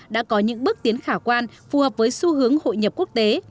đã có những bước tiến khả quan phù hợp với xu hướng hội nhập quốc tế